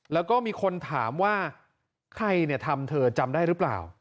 แล้วก็มีคนถามว่าใครทำเธอจำได้หรือเปล่า